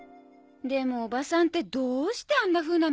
でもおばさんってどうしてあんなふうなのかしら。